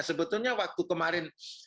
sebetulnya waktu kemarin